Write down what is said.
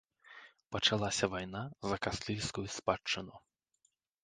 Пачалася вайна за кастыльскую спадчыну.